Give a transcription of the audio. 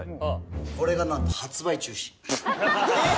これがなんと発売中止。